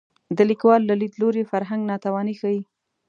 د لیکوال له لید لوري فرهنګ ناتواني ښيي